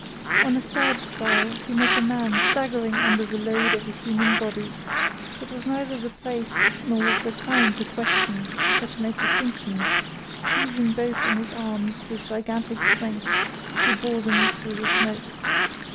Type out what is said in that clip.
On a third trial, he met a man staggering under the load of a human body. It was neither the place, nor was there time, to question, or to make distinctions; seizing both in his arms, with gigantic strength, he bore them through the smoke.